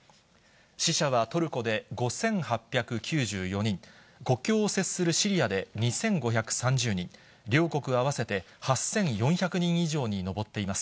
死者はトルコで５８９４人、国境を接するシリアで２５３０人、両国合わせて８４００人以上に上っています。